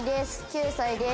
９歳です。